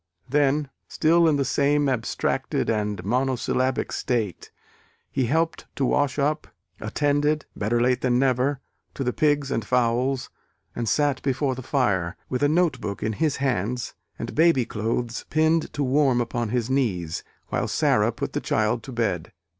Then still in the same abstracted and monosyllabic state, he helped to wash up, attended better late than never to the pigs and fowls, and sat before the fire, with a note book in his hands and baby clothes pinned to warm upon his knees, while Sara put the child to bed.